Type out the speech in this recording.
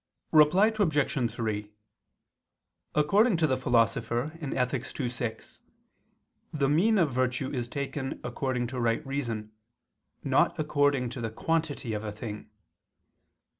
Reply Obj. 3: According to the Philosopher (Ethic. ii, 6), the mean of virtue is taken according to right reason, not according to the quantity of a thing.